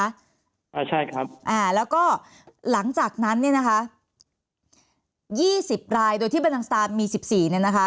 อ่าใช่ครับอ่าแล้วก็หลังจากนั้นเนี่ยนะคะยี่สิบรายโดยที่บรรดังสตาร์มีสิบสี่เนี่ยนะคะ